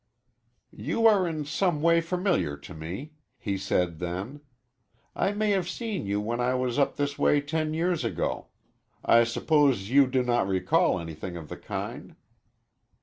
"You are in some way familiar to me," he said then. "I may have seen you when I was up this way ten years ago. I suppose you do not recall anything of the kind?"